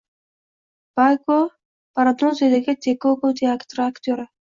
Bayko Marunoutidagi Teykoku teatri aktyori